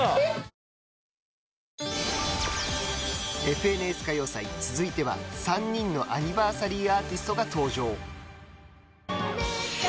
「ＦＮＳ歌謡祭」続いては３人のアニバーサリーアーティストが登場。